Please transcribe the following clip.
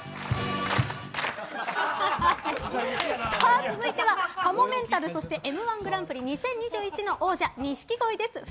続いてはかもめんたるそして「Ｍ‐１グランプリ」２０２２の王者錦鯉です。